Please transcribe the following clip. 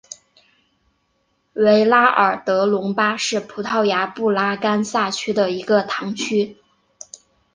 维拉尔德隆巴是葡萄牙布拉干萨区的一个堂区。